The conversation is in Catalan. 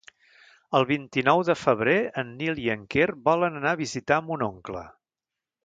El vint-i-nou de febrer en Nil i en Quer volen anar a visitar mon oncle.